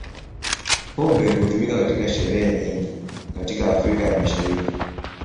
Pombe hutumika katika sherehe nyingi katika Afrika ya Mashariki.